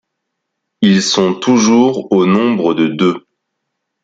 Ils sont toujours au nombre de deux.